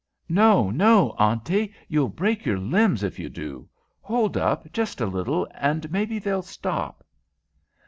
"No, no, Auntie, you'll break your limbs if you do. Hold up, just a little, and maybe they'll stop."